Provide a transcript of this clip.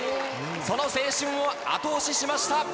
その青春を後押ししました。